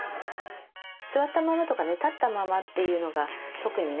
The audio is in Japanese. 座ったままとかね立ったままっていうのが特にね。